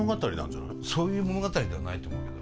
そういう物語ではないと思うけど。